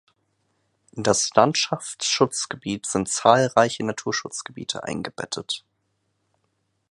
In das Landschaftsschutzgebiet sind zahlreiche Naturschutzgebiete eingebettet.